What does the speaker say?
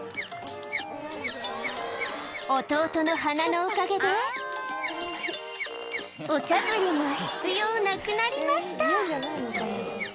弟の鼻のおかげで、おしゃぶりが必要なくなりました。